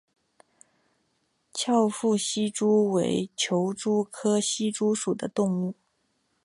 翘腹希蛛为球蛛科希蛛属的动物。